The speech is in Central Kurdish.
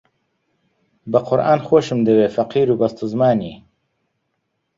بە قورئان خۆشم دەوێ فەقیر و بەستەزمانی